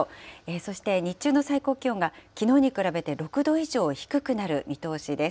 そして日中の最高気温がきのうに比べて６度以上低くなる見通しです。